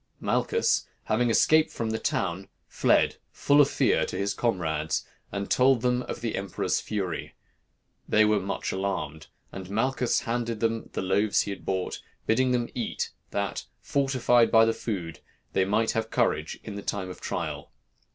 Malchus, having escaped from the town, fled, full of fear, to his comrades, and told them of the emperor's fury. They were much alarmed; and Malchus handed them the loaves he had bought, bidding them eat, that, fortified by the food, they might have courage in the time of trial.